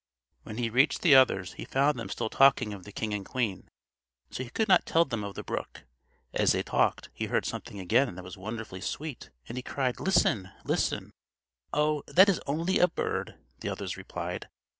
When he reached the others, he found them still talking of the king and queen, so he could not tell them of the brook. As they talked, he heard something again that was wonderfully sweet, and he cried: "Listen! listen!" "Oh! that is only a bird!" the others replied.